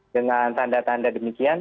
dengan tanda tanda demikian